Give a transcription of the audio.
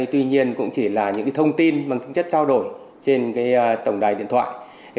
tuy nhiên cũng chỉ là những cái thông tin bằng tính chất trao đổi trên cái tổng đài điện thoại